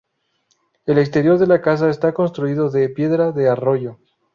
El exterior de la casa está construido de piedra de arroyo.